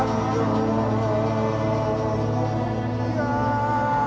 jangan lupa ibu nda